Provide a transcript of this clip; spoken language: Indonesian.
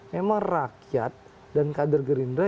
memang rakyat dan kader gerindra